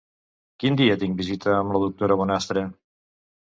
Quin dia tinc visita amb la doctora Bonastre?